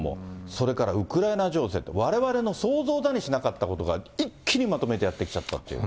それからウクライナ情勢と、われわれの想像だにしなかったことが、一気にまとめてやってきちゃったっていう。